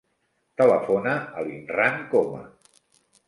Telefona a l'Imran Coma.